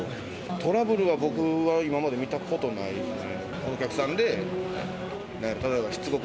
トラブルは、僕は今まで見たことない。